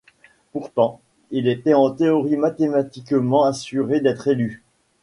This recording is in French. Pourtant, il était en théorie mathématiquement assuré d'être élu.